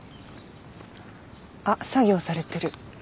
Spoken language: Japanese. あ作業されてる。